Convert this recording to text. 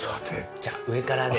じゃあ上からで。